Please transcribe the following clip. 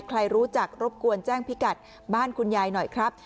ใครรู้จักรบกวนแจ้งพิกัดบ้านคุณยายหน่อยครับ